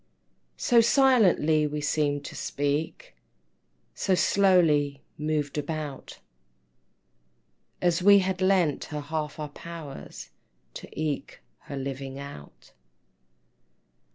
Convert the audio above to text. So silently we seem'd to speak, So slowly moved about, As we had lent her half our powers To eke her living out.